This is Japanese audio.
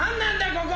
ここ！